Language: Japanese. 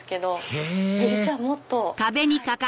へぇ実はもっと。